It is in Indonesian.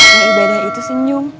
yang ibadah itu senyum